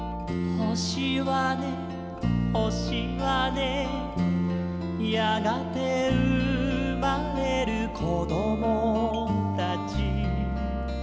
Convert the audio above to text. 「ほしはねほしはね」「やがてうまれるこどもたち」